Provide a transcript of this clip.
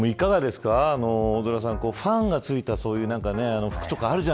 大空さん、ファンがついた服とか